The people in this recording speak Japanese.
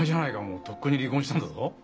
もうとっくに離婚したんだぞ。